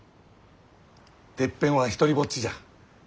てっぺんは独りぼっちじゃ。